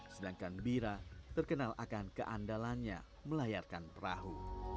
sedangkan bira terkenal akan keandalannya melayarkan perahu